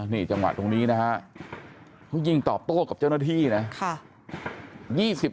นี่จังหวัดตรงนี้นะครับพวกยิงต่อโต้กับเจ้าหน้าที่นะครับ